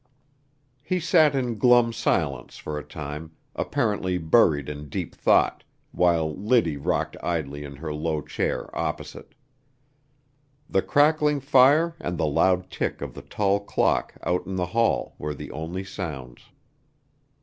He sat in glum silence for a time, apparently buried in deep thought, while Liddy rocked idly in her low chair opposite. The crackling fire and the loud tick of the tall clock out in the hall were the only sounds.